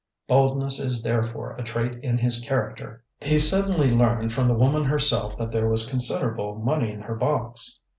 Boldness is therefore a trait in his character. He suddenly learned, from the woman herself, that there was considerable money in her box.